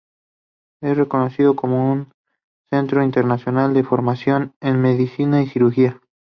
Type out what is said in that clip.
Es reconocido como un centro internacional de formación en medicina y cirugía.